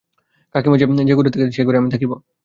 কাকীমা যে ঘরে থাকিতেন, সেই ঘরে আমি থাকিব।